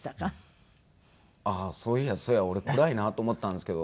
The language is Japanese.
ああーそういやそうや俺暗いなと思ったんですけど